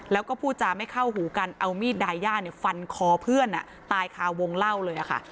แล้วก็พูดจาไม่เข้าหูกันเอามีดดายย่าฟันคอเพื่อนตายคาวงเล่าเลยค่ะ